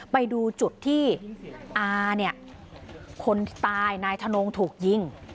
ไปดูจุดที่คนตายนายถนงถูกยิง